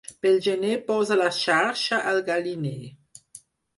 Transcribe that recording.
Pel gener posa la xarxa al galliner.